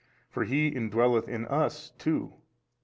for He indwelleth in us too.